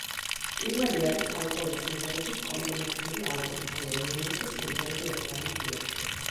პირველი არის ცალკეული სიმღერების კომპილაციური ალბომი, ხოლო მეორეზე სიმღერები ერთმანეთს უერთდება.